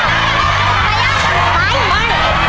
เริ่มลูก